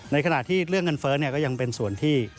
ในขณะที่เรื่องเงินเฟ้อก็ยังเป็นส่วนที่